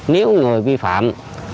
nếu người vi phạm